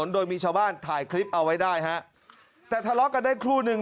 โดยมีชาวบ้านถ่ายคลิปเอาไว้ได้ฮะแต่ทะเลาะกันได้ครู่นึง